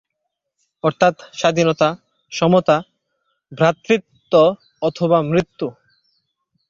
অর্থাৎ "স্বাধীনতা, সমতা, ভ্রাতৃত্ব, অথবা মৃত্যু"।